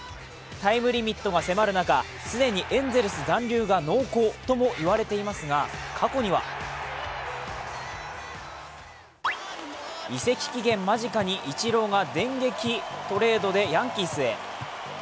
タイムリミットが迫る中、既にエンゼルス残留が濃厚とも言われていますが、過去には、移籍期限間近でイチローが電撃トレードでヤンキースへ。